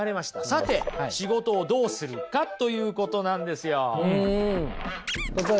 さて仕事をどうするかということなんですよ。